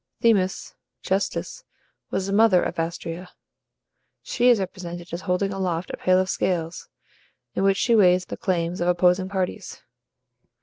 Themis (Justice) was the mother of Astraea. She is represented as holding aloft a pair of scales, in which she weighs the claims of opposing parties.